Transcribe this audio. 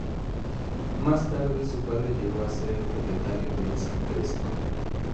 Más tarde su padre llegó a ser el propietario de esa empresa.